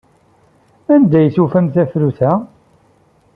Anda ay tufamt tafrut-a?